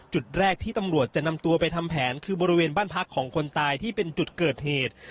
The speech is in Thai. จุดแรกที่ตำรวจจะนำตัวไปทำแผนคือบริเวณบ้านพักของคนตายที่เป็นจุดเกิดเหตุ